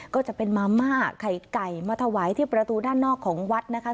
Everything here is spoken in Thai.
ก็จะเป็นมาม่าไข่ไก่มาถวายที่ประตูด้านนอกของวัดนะคะ